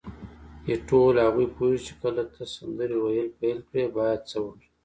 ایټور وویل: هغوی پوهیږي چې کله ته سندرې ویل پیل کړې باید څه وکړي.